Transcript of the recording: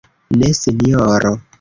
Ne, sinjoro.